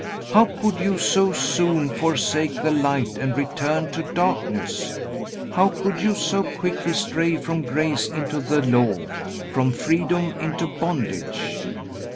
How could you so soon forsake the light and return to darkness? How could you so quickly stray from grace into the Law, from freedom into bondage?"